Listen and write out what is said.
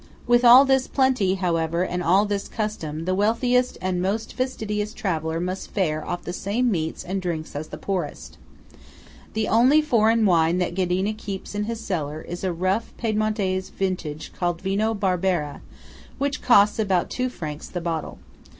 With all this plenty, however, and all this custom, the wealthiest and most fastidious traveller must fare off the same meats and drinks as the poorest. The only foreign wine that Ghedina keeps in his cellar is a rough Piedmontese vintage called Vino Barbera, which costs about two francs the bottle.